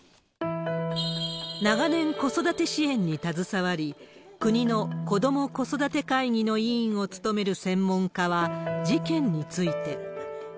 長年、子育て支援に携わり、国の子ども・子育て会議の委員を務める専門家は、事件について。